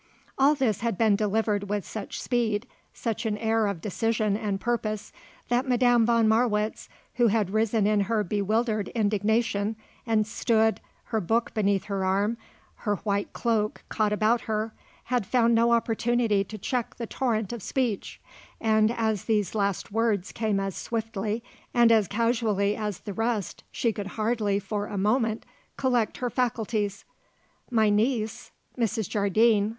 All this had been delivered with such speed, such an air of decision and purpose, that Madame von Marwitz, who had risen in her bewildered indignation and stood, her book beneath her arm, her white cloak caught about her, had found no opportunity to check the torrent of speech, and as these last words came as swiftly and as casually as the rest she could hardly, for a moment, collect her faculties. "My niece? Mrs. Jardine?"